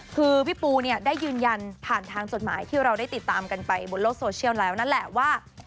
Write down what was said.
คือพี่ปูเนี่ยได้ยืนยันผ่านทางจดหมายที่เราได้ติดตามกันไปบนโลกโซเชียลแล้วนั่นแหละว่า